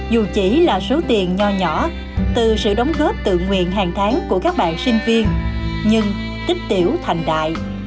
dù chỉ là số tiền nhỏ nhỏ từ sự đóng góp tự nguyện hàng tháng của các bạn sinh viên nhưng tích tiểu thành đại